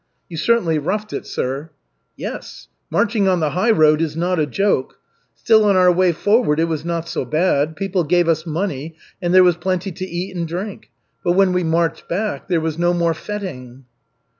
"You certainly roughed it, sir." "Yes, marching on the highroad is not a joke. Still, on our way forward it was not so bad. People gave us money, and there was plenty to eat and drink. But when we marched back there was no more fêting."